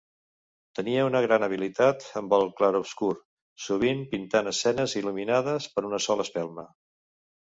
Tenia una gran habilitat amb el "clarobscur", sovint pintant escenes il·luminades per una sola espelma.